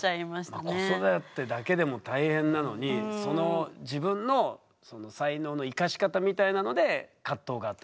子育てだけでも大変なのにその自分の才能の生かし方みたいなので葛藤があったと。